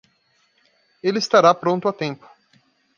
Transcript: Ele estará pronto a tempo.